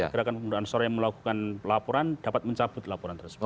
gerakan pemuda ansor yang melakukan pelaporan dapat mencabut laporan tersebut